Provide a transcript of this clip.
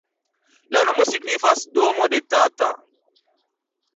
La nomo signifas domo de Tata.